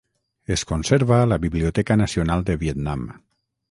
Es conserva a la Biblioteca Nacional de Vietnam.